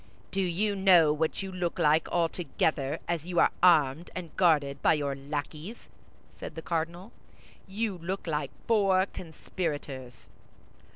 "Do you know what you look like, all together, as you are armed and guarded by your lackeys?" said the cardinal. "You look like four conspirators."